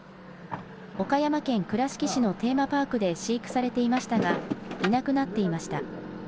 岡山県倉敷市のテーマパークで飼育されていましたが、いなくなっていました。